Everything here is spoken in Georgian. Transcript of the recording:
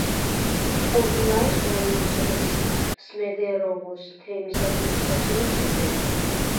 პოდუნაის რაიონისა და სმედერევოს თემის ადმინისტრაციული ცენტრი.